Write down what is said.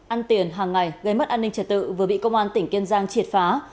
ăn tiền hàng ngày gây mất an ninh trật tự vừa bị công an tỉnh kiên giang triệt phá